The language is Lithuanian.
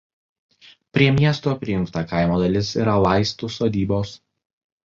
Prie miesto prijungta kaimo dalis yra Laistų Sodybos.